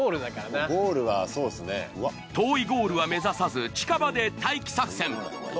遠いゴールは目指さず近場で待機作戦。